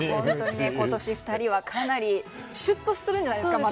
今年２人はかなりシュッとするんじゃないですか。